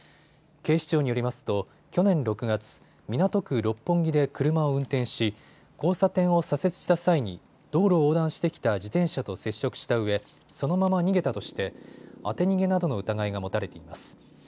警視庁によりますと去年６月、港区六本木で車を運転し交差点を左折した際に道路を横断してきた自転車と接触したうえ、そのまま逃げたとして当て逃げなどの疑いが持たれています。